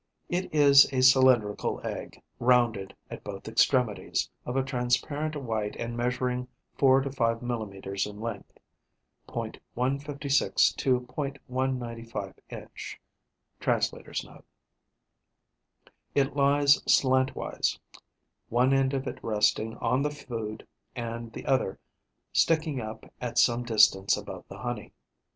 It is a cylindrical egg, rounded at both extremities, of a transparent white and measuring four to five millimetres in length. (.156 to.195 inch. Translator's Note.) It lies slantwise, one end of it resting on the food and the other sticking up at some distance above the honey.